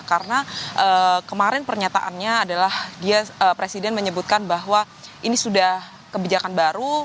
karena kemarin pernyataannya adalah presiden menyebutkan bahwa ini sudah kebijakan baru